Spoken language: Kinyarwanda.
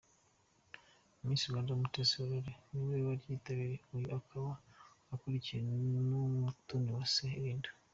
Miss Rwanda Mutesi Aurore niwe waryitabiriye, uyu akaba akurikiwe na Umutoniwase Linda.